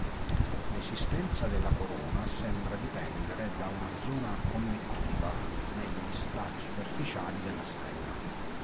L'esistenza della corona sembra dipendere da una zona convettiva negli strati superficiali della stella.